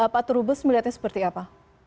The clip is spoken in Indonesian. pak turubus melihatnya seperti apa